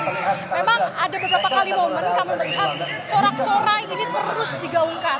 memang ada beberapa kali momen kami melihat sorak sorak ini terus digaungkan